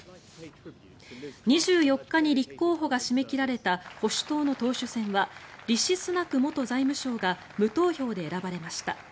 ２４日に立候補が締め切られた保守党の党首選はリシ・スナク元財務相が無投票で選ばれました。